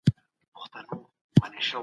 لېري زده کړه د سفر ستړیا نه لري.